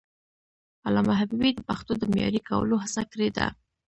علامه حبيبي د پښتو د معیاري کولو هڅه کړې ده.